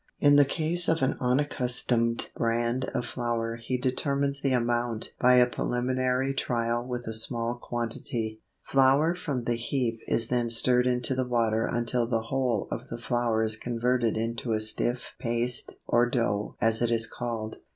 In the case of an unaccustomed brand of flour he determines the amount by a preliminary trial with a small quantity (Figs. 16 and 17). Flour from the heap is then stirred into the water until the whole of the flour is converted into a stiff paste or dough as it is called.